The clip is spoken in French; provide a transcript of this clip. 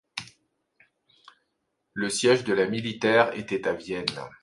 Le siège de la militaire était à Vienne.